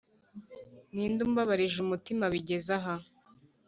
ninde umbabarije umutima bigezaha